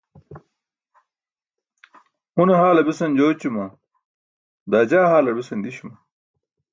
Une haale besan jooćuma, daa jaa haalar besan di̇śuma?